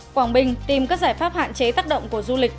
quảng bình tìm các giải pháp hạn chế tác động của du lịch